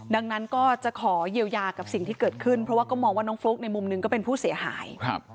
ดังนั้นก็จะขอเยียวยากับสิ่งที่เกิดขึ้นเพราะว่าก็มองว่าน้องฟลุ๊กในมุมหนึ่งก็เป็นผู้เสียหาย